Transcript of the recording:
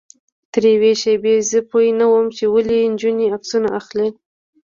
تر یوې شېبې زه پوی نه وم چې ولې نجونې عکسونه اخلي.